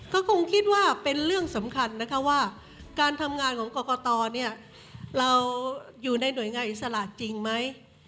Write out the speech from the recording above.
ก็คงคิดว่าเป็นเรื่องสำคัญนะคะว่าการทำงานของกรกตเนี่ยเราอยู่ในหน่วยงานอิสระจริงไหม